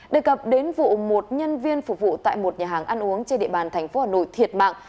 đề cập đến vụ một nhân viên phục vụ tại một nhà hàng ăn uống trên địa bàn thành phố hà nội thiệt mạng